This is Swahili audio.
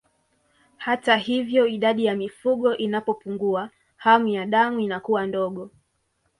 Hata hivyo idadi ya mifugo inapopungua hamu ya damu inakuwa ndogo